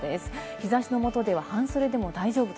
日差しの下では半袖でも大丈夫。